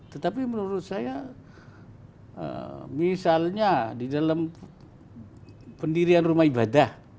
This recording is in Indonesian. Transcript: tetapi menurut saya misalnya di dalam pendirian rumah ibadah